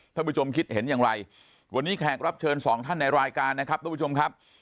ถ้าคุณผู้ชมคิดเห็นอย่างไรวันนี้แขกับเชิญ๒ท่านในรายการนะครับ